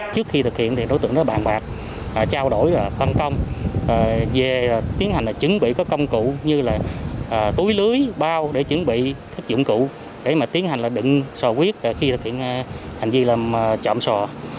trước khi thực hiện đối tượng đã bàn bạc trao đổi phân công về tiến hành là chuẩn bị các công cụ như là túi lưới bao để chuẩn bị các dụng cụ để mà tiến hành là đựng sò huyết khi thực hiện hành vi làm trộm sò